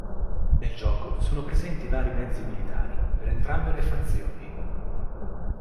Nel gioco sono presenti vari mezzi militari, per entrambe le fazioni.